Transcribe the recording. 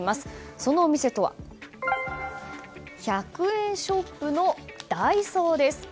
そのお店とは１００円ショップのダイソーです。